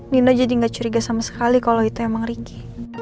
nino jadi gak curiga sama sekali kalo itu emang ricky